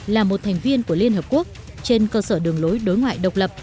là một thành viên của liên hợp quốc trên cơ sở đường lối đối ngoại độc lập